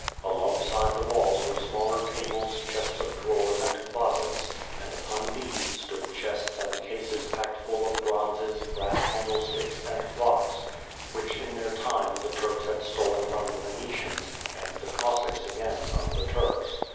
Along side the walls were smaller tables, chests of drawers and clos ets, and upon these stood chests and cases packed full of bronzes, brass candlesticks, and clocks, which in their time, the Turks had stolen from the Venetians, and the Cossacks again from the Turks.